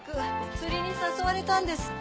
釣りに誘われたんですって。